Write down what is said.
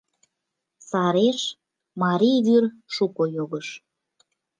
Сареш марий вӱр шуко йогыш...